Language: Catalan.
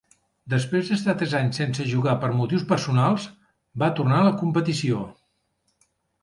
Després d'estar tres anys sense jugar per motius personals, va tornar a la competició.